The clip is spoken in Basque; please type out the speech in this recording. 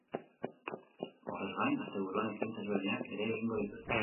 Horrez gain, asteburuan ekintza ezberdinak ere egingo dituzte herrian.